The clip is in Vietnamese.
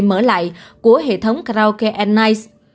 mở lại của hệ thống karaoke and nice